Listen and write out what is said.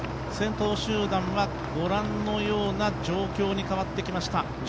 先頭集団はご覧のような状況に変わってきました。